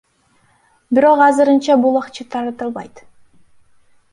Бирок азырынча бул акча таратылбайт.